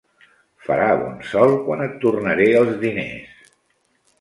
Farà bon sol quan et tornaré els diners.